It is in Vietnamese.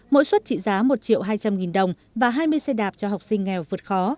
mỗi suất trị giá một triệu hai trăm linh đồng và hai mươi xe đạp cho học sinh nghèo vượt khó